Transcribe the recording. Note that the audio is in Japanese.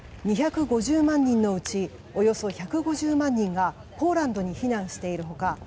２５０万人のうちおよそ１５０万人がポーランドに避難している他